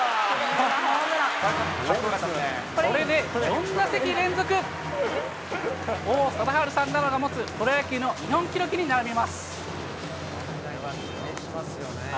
これで４打席連続、王貞治さんらが持つプロ野球の日本記録に並びます。